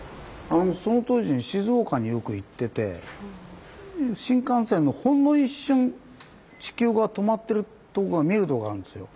その当時静岡によく行ってて新幹線のほんの一瞬「ちきゅう」が泊まってるとこが見えるとこがあるんですよ。